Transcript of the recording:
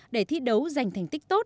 để thi đấu giành thành tích tốt